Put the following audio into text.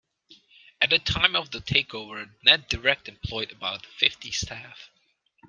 At the time of the takeover NetDirect employed about fifty staff.